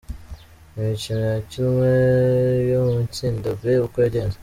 Imikino yakinwe yo mu itsinda B uko yagenze.